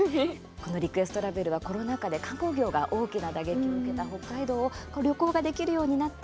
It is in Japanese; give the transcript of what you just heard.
この「リクエストラベル」はコロナ禍で観光業が大きな打撃を受けた北海道を旅行ができるようになった